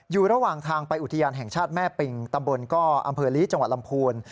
อยู่ระหว่างทางไปอุทยานแห่งชาติแม่ปิงตำบลก้ออำเภอลีจังหวัดลำพูน